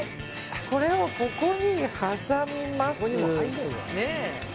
これをここに挟みます。